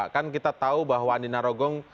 kan kita tahu bahwa andi narogong